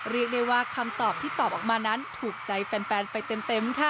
เรียกได้ว่าคำตอบที่ตอบออกมานั้นถูกใจแฟนไปเต็มค่ะ